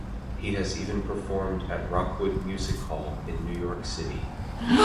He has even performed at Rockwood Music Hall in New York City.